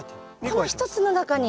この１つの中に？